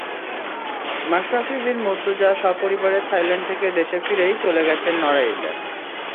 মাশরাফি বিন মুর্তজা সপরিবারে থাইল্যান্ডে থেকে দেশে ফিরেই চলে গেছেন নড়াইলে।